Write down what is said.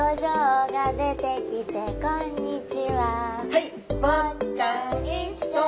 はい。